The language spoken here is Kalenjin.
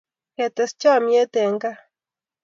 Kites chomyet eng kaa